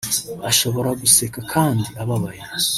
Ashobora guseka kandi ababaye